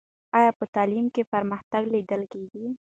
آیا په تعلیم کې پرمختګ لیدل کېږي؟